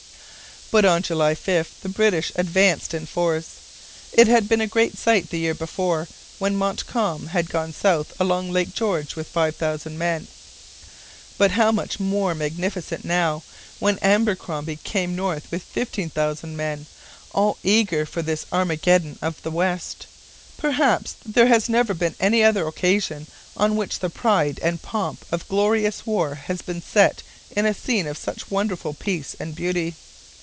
But on July 5 the British advanced in force. It had been a great sight the year before, when Montcalm had gone south along Lake George with 5,000 men; but how much more magnificent now, when Abercromby came north with 15,00 men, all eager for this Armageddon of the West. Perhaps there never has been any other occasion on which the pride and pomp of glorious war have been set in a scene of such wonderful peace and beauty.